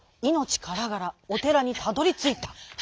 からがらおてらにたどりついた。